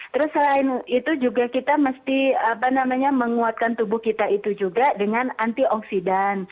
terus selain itu juga kita mesti menguatkan tubuh kita itu juga dengan antioksidan